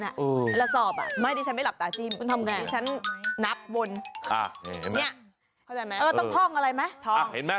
คนลรับตาจิ้ม